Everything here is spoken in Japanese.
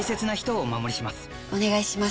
お願いします。